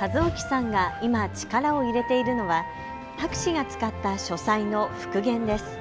一おきさんが今、力を入れているのは博士が使った書斎の復元です。